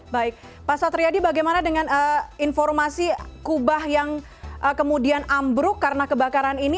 baik pak satriadi bagaimana dengan informasi kubah yang kemudian ambruk karena kebakaran ini